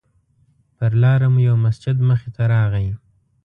پر لاره مو یو مسجد مخې ته راغی.